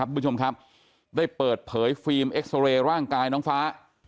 คุณผู้ชมครับได้เปิดเผยฟิล์มเอ็กซอเรย์ร่างกายน้องฟ้า